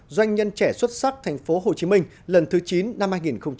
doanh nhân trẻ xuất sắc tp hcm lần thứ chín năm hai nghìn một mươi sáu